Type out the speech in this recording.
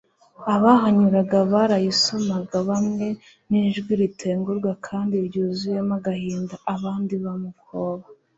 Abahanyuraga barayisomaga bamwe n'ijwi ritengurwa kandi ryuzuyemo agahinda, abandi bamukoba.